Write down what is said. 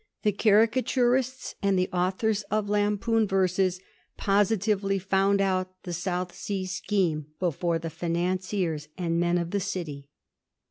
The caricaturists and the authors of lampoon verses positively found out the South Sea scheme before the financiers and men of the City.